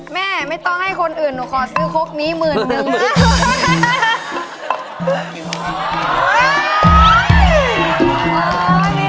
แม่ไม่ต้องให้คนอื่นหนูขอซื้อครกนี้หมื่นนึง